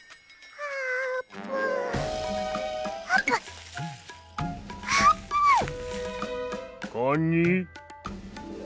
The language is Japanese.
あーぷん！